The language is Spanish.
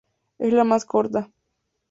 Es la más corta.